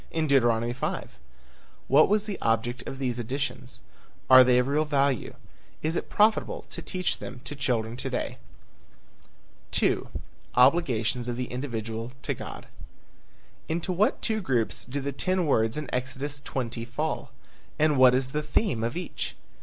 In Deuteronomy 5? What was the object of these additions? Are they of real value? Is it profitable to teach them to children to day? II. OBLIGATIONS OF THE INDIVIDUAL TO GOD. Into what two groups do the ten words in Exodus 20 fall? And what is the theme of each?